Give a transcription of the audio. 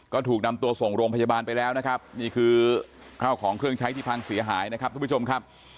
ก็ถูกนำตัวส่งโรงพยาบาลไปแล้วนะครับนี่คือข้าวของเครื่องใช้ที่พังเสียหายนะครับทุกผู้ชมครับ